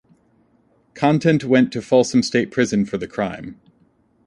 Contant went to Folsom State Prison for the crime.